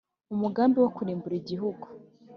Umugambi wo kurimbura igihugu